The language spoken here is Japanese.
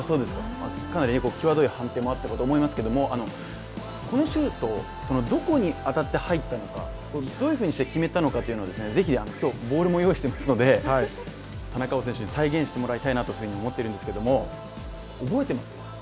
かなりきわどい判定もあったかと思いますけれどもこのシュート、どこに当たって入ったのか、どういうふうにして決めたのかというのを今日ボールも用意していますので、田中碧選手に再現してもらいたいなと思っているんですけど覚えています？